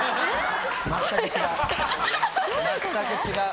全く違う。